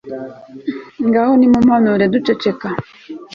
ngaho nimumpanure, ndaceceka